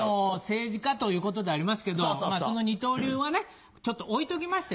政治家ということでありますけどその二刀流はちょっと置いときまして。